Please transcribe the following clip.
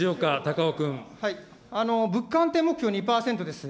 物価安定目標、２％です。